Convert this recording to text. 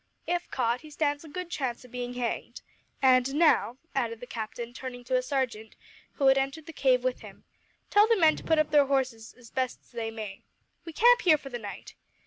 If caught, he stands a good chance of being hanged. And now," added the captain, turning to a sergeant who had entered the cave with him, "tell the men to put up their horses as best they may. We camp here for the night.